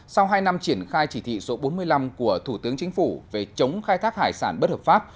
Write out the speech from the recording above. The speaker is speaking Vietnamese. sau hai năm triển khai chỉ thị số bốn mươi năm của thủ tướng chính phủ về chống khai thác hải sản bất hợp pháp